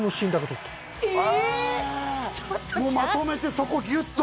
へえもうまとめてそこギュッと？